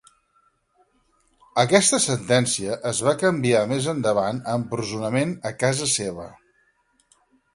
Aquesta sentència es va canviar més endavant a empresonament a casa seva.